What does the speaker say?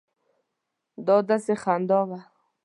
دا داسې خندا وه.